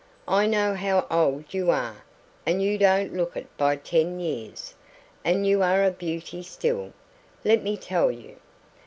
I know how old you are, and you don't look it by ten years. And you are a beauty still, let me tell you.